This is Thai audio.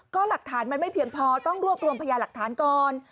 ก็หลักฐานมันไม่เพียงพอต้องรวบรวมพยาหลักฐานก่อน